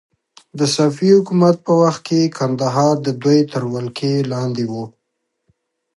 د صفوي حکومت په وخت کې کندهار د دوی تر ولکې لاندې و.